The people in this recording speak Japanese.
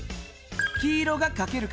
黄色がかける数。